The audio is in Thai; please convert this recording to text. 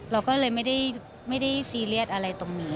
เราก็เลยไม่ได้ซีเรียสอะไรตรงนี้